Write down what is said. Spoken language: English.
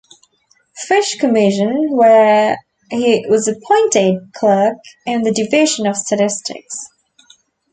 Fish Commission, where he was appointed clerk in the Division of Statistics.